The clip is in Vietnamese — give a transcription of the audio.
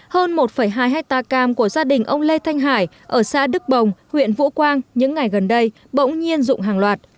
hơn một hai hectare cam của gia đình ông lê thanh hải ở xã đức bồng huyện vũ quang những ngày gần đây bỗng nhiên dụng hàng loạt